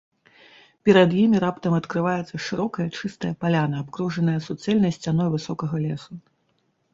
Перад імі раптам адкрываецца шырокая чыстая паляна, абкружаная суцэльнай сцяной высокага лесу.